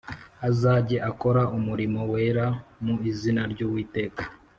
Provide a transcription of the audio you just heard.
azajye akora umurimo wera mu izina ry Uwiteka